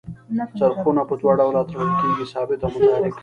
څرخونه په دوه ډوله تړل کیږي ثابت او متحرک.